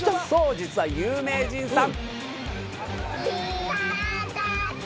実は有名人さん。